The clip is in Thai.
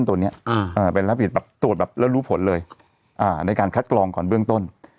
ตัวนี้เป็นรับผิดแบบตรวจแบบแล้วรู้ผลเลยในการคัดกรองก่อนเบื้องต้น